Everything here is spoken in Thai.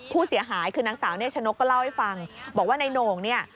ผู้เสียหายคือนางสาวเนชนกก็เล่าให้ฟังบอกว่านายโหน่งเนี่ย